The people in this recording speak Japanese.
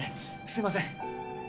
すいません。